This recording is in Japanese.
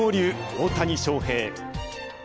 大谷翔平。